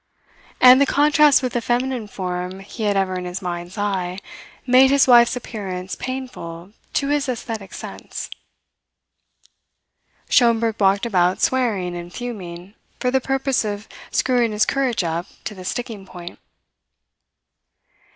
And the contrast with the feminine form he had ever in his mind's eye made his wife's appearance painful to his aesthetic sense. Schomberg walked about swearing and fuming for the purpose of screwing his courage up to the sticking point.